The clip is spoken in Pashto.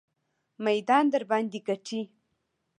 میدان درباندې ګټي.